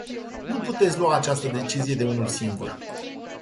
Nu puteți lua această decizie de unul singur.